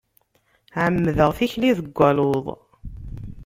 Ɛemmdeɣ tikli deg aluḍ.